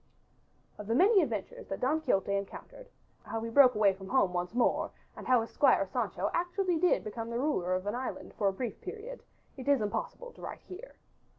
Of the many adventures that Don Quixote encountered, how he broke away from home once more and how his Squire Sancho actually did become the ruler of an island for a brief period, it is impossible to write here.